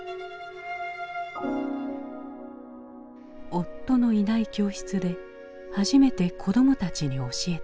夫のいない教室で初めて子どもたちに教えた。